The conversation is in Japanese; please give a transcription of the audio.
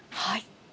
はい。